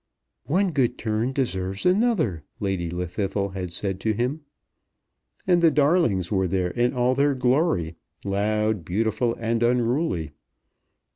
"One good turn deserves another," Lady Llwddythlw had said to him. And the darlings were there in all their glory, loud, beautiful, and unruly.